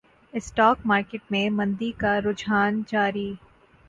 stock market میں مندی کا رجحان جاری